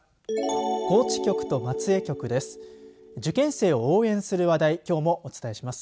高知局と松江局です。